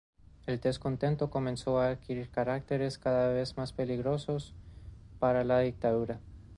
El descontento comenzó a adquirir caracteres cada vez más peligrosos para la dictadura.